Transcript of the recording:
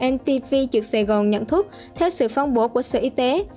mtv trực sài gòn nhận thuốc theo sự phong bổ của sự y tế